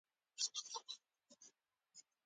زموږ په کلیو او بانډو کې درې ډوله خلک پخه ډوډۍ راټولوي.